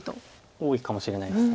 多いかもしれないです。